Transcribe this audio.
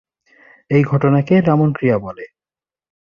এই ঘটনাকে ‘রামন ক্রিয়া’ বলে।